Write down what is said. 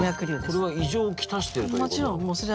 これは異常を来してるということか？